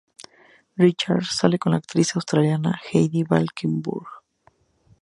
Richard sale con la actriz australiana Heidi Valkenburg.